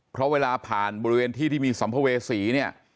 เพราะเวลาผ่านบริเวณที่ที่มีสัมภเวษีเนี่ย